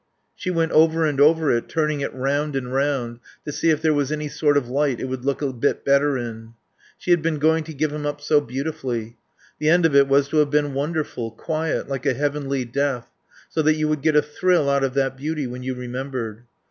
She went over and over it, turning it round and round to see if there was any sort of light it would look a bit better in. She had been going to give him up so beautifully. The end of it was to have been wonderful, quiet, like a heavenly death, so that you would get a thrill out of that beauty when you remembered.